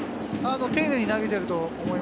丁寧に投げていると思い